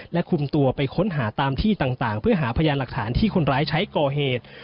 และคุมตัวไปค้นหาตามที่ต่างเพื่อหาพยานหลักฐานที่คนร้ายใช้ก่อเหตุ